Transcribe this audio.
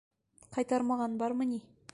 — Ҡайтармаған бармы ни?